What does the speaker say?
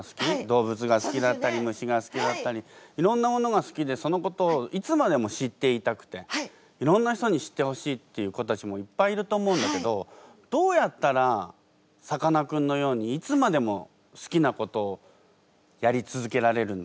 動物が好きだったり虫が好きだったりいろんなものが好きでそのことをいつまでも知っていたくていろんな人に知ってほしいっていう子たちもいっぱいいると思うんだけどどうやったらさかなクンのようにいつまでも好きなことをやり続けられるんだろう？